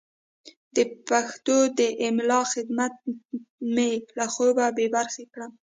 د پښتو د املا خدمت مې له خوبه بې برخې کړم.